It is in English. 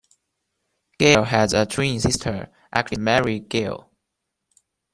Gail has a twin sister, actress Mary Gail.